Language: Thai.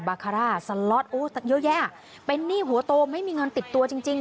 บาคาร่าสล็อตโอ้สักเยอะแยะเป็นหนี้หัวโตไม่มีเงินติดตัวจริงจริง